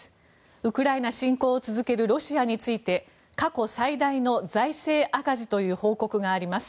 ウクライナ侵攻を続けるロシアについて過去最大の財政赤字という報告があります。